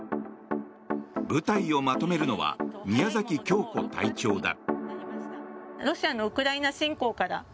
部隊をまとめるのは宮崎恭子隊長だ。